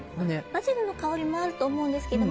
バジルの香りもあると思うんですけど